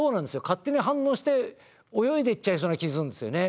勝手に反応して泳いでいっちゃいそうな気するんですよね。